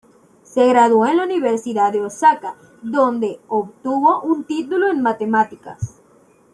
Se graduó en la Universidad de Osaka donde obtuvo un título en Matemáticas.